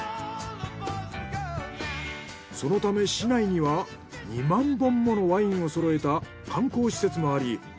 そのため市内には２万本ものワインをそろえた観光施設もあり